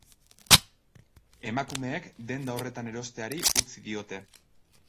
Emakumeek denda horretan erosteari utzi diote.